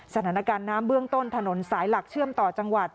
สถานการณ์น้ำเบื้องต้นถนนสายหลักเชื่อมต่อจังหวัด